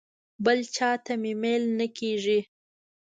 بل چاته مې میل نه کېږي.